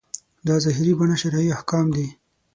دا ظاهري بڼه شرعي احکام دي.